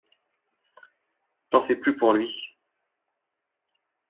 T'en fais plus pour lui.